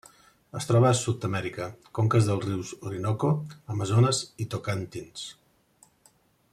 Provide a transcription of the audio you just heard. Es troba a Sud-amèrica: conques dels rius Orinoco, Amazones i Tocantins.